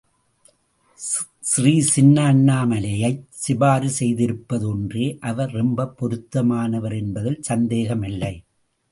ஸ்ரீ சின்ன அண்ணாமலையைச் சிபாரிசு செய்திருப்பது ஒன்றே அவர் ரொம்பப் பொருத்தமானவர் என்பதில் சந்தேகமில்லை.